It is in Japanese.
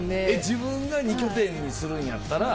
自分が二拠点にするんやったら。